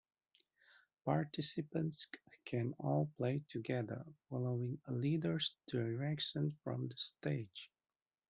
Participants can all play together, following a leader's directions from the stage.